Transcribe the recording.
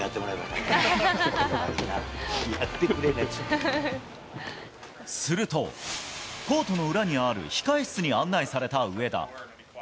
俺の代わりにな、すると、コートの裏にある、控え室に案内された上田。